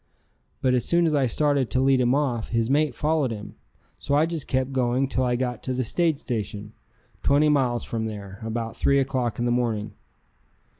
But as soon as I started to lead him off, his mate followed him, so I just kept going till I got to the stage station, twenty miles from there, about 3 o'clock in the morning.